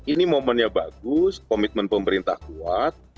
ini momennya bagus komitmen pemerintah kuat